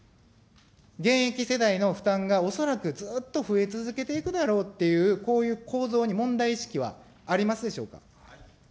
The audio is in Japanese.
現役世代の負担が恐らく、ずっと増え続けていくだろうという、こういう構造に問題意識はありますでしょうか。